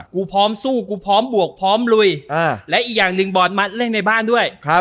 กูพร้อมสู้กูพร้อมบวกพร้อมลุยและอีกอย่างหนึ่งบอร์ดมัดเล่นในบ้านด้วย